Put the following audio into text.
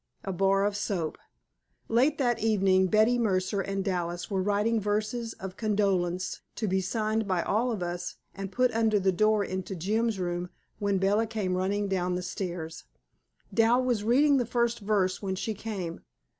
A BAR OF SOAP Late that evening Betty Mercer and Dallas were writing verses of condolence to be signed by all of us and put under the door into Jim's room when Bella came running down the stairs. Dal was reading the first verse when she came.